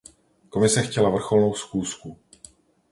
Komise chtěla vrcholnou schůzku.